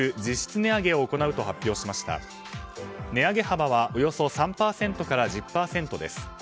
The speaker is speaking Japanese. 値上げ幅はおよそ３％から１０％です。